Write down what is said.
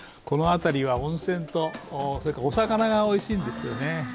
この辺りは温泉とお魚がおいしいんですよね。